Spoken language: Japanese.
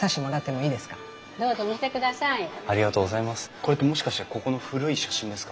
これってもしかしてここの古い写真ですか？